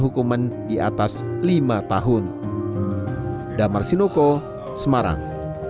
hukuman di atas lima tahun damarsinoko semarang